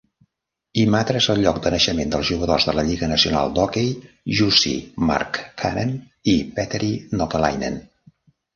Imatra és el lloc de naixement dels jugadors de la Lliga nacional d'hoquei Jussi Markkanen i Petteri Nokelainen.